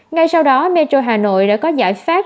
ngay sau đó metro hà nội đã có giải pháp